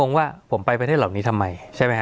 สวัสดีครับทุกผู้ชม